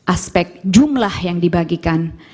aspek jumlah yang dibagikan